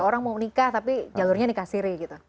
orang mau menikah tapi jalurnya nikah siri gitu